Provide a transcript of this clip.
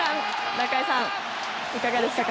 中居さん、いかがでしたか？